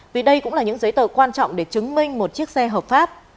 vì đây cũng là những giấy tờ quan trọng để chứng minh một chiếc xe hợp pháp